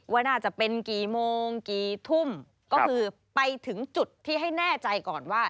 ว่าน่าจะเป็นกี่โมงกี่ทุ่มก็คือไปถึงจุดที่ให้แน่ใจก่อนว่า